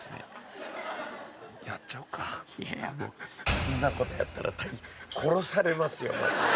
そんな事やったら殺されますよマジで。